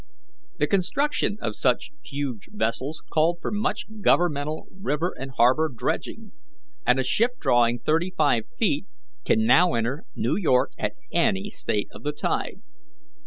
"The construction of such huge vessels called for much governmental river and harbour dredging, and a ship drawing thirty five feet can now enter New York at any state of the tide.